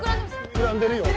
膨らんでるよ！